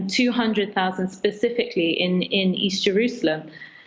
dan dua ratus secara spesifik di east jerusalem